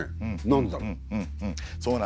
何でだろう？